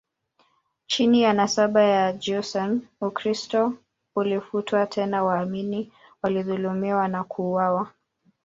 Chini ya nasaba ya Joseon, Ukristo ulifutwa, tena waamini walidhulumiwa na kuuawa.